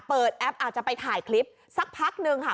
แอปอาจจะไปถ่ายคลิปสักพักนึงค่ะ